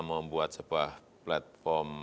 membuat sebuah platform